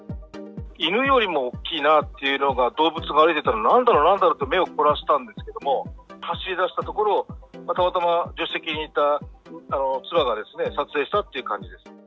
犬よりも大きいなっていうような、動物が歩いてたので、なんだろう、なんだろうと目を凝らしたんですけども、走りだしたところ、たまたま助手席にいた妻がですね、撮影したっていう感じです。